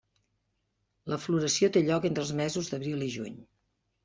La floració té lloc entre els mesos d'abril i juny.